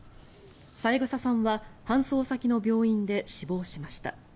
三枝さんは搬送先の病院で死亡しました。